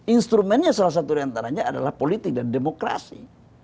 instrumennya salah satu dari antaranya adalah politik dan demokrasi